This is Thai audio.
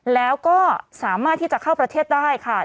แล้วก็สามารถที่จะเข้าประเทศได้ค่ะ